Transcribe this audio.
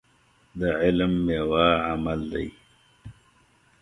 د علم ميوه عمل دی.